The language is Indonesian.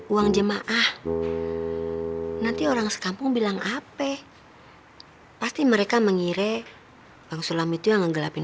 uang jemaah nanti orang sekampung bilang ape pasti mereka mengira bank sulam itu yang ngegelapin